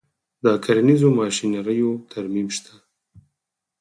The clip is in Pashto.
د کرنیزو ماشینریو ترمیم شته